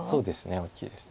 大きいです。